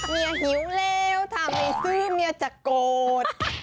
เมียหิวแล้วทำให้ซื้อเมียจะโกรธ